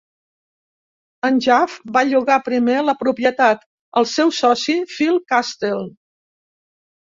En Jaffe, va llogar primer la propietat al seu soci, Phil Kastel.